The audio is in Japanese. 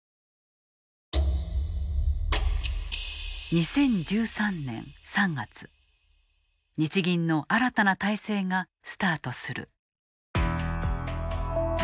２０１３年３月日銀の新たな体制がスタートする。